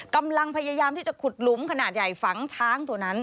กำลังพยายามที่จะขุดหลุมขนาดใหญ่ฝังช้างตัวนั้น